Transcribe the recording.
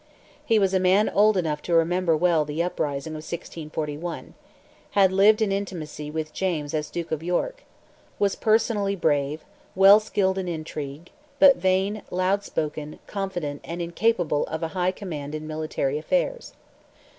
He was a man old enough to remember well the uprising of 1641, had lived in intimacy with James as Duke of York, was personally brave, well skilled in intrigue, but vain, loud spoken, confident, and incapable of a high command in military affairs.